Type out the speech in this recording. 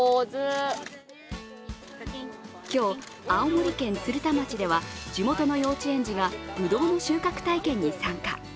今日、青森県鶴田町では、地元の幼稚園児がぶどうの収穫体験に参加。